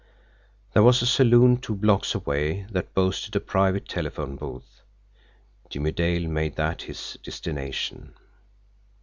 There was a saloon two blocks away that boasted a private telephone booth. Jimmie Dale made that his destination.